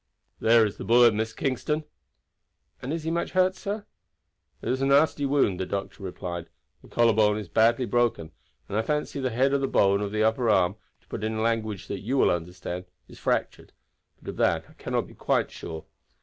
"There is the bullet, Miss Kingston." "And is he much hurt, sir?" "It is a nasty wound," the doctor replied. "The collarbone is badly broken, and I fancy the head of the bone of the upper arm, to put it in language you will understand, is fractured; but of that I cannot be quite sure.